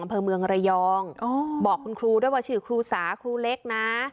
อำเภอเมืองระยองบอกคุณครูด้วยว่าชื่อครูสาครูเล็กนะ